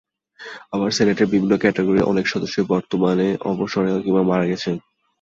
আবার সিনেটের বিভিন্ন ক্যাটাগরির অনেক সদস্যই বর্তমানে অবসরে কিংবা মারা গেছেন।